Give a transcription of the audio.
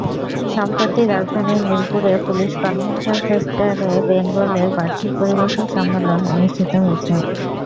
সম্প্রতি রাজধানীর মিরপুরে পুলিশ কনভেনশন সেন্টারে বেঙ্গলের বার্ষিক পরিবেশক সম্মেলন অনুষ্ঠিত হয়েছে।